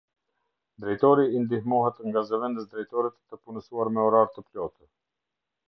Drejtori ndihmohet nga Zëvendës Drejtorët të punësuar me orar të plotë.